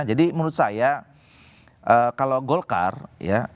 jadi menurut saya kalau golkar ya